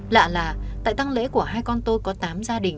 lạ là tại tăng lễ của hai con tôi có tám gia đình